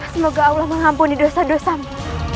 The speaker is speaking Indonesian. semoga allah mengampuni dosa dosamu